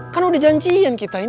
kan udah janjiin kita ini